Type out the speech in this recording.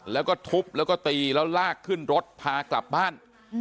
แล้วก็ทุบแล้วก็ตีแล้วลากขึ้นรถพากลับบ้าน